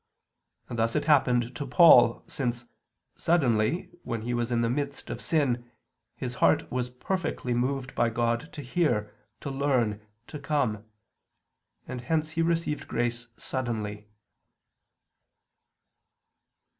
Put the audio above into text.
And thus it happened to Paul, since, suddenly when he was in the midst of sin, his heart was perfectly moved by God to hear, to learn, to come; and hence he received grace suddenly.